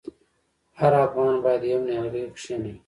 هر افغان باید یو نیالګی کینوي؟